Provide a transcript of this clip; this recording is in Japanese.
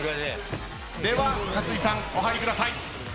では勝地さんお入りください。